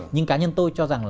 nhưng cá nhân tôi cho rằng